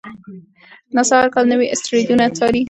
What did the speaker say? ناسا هر کال نوي اسټروېډونه څاري.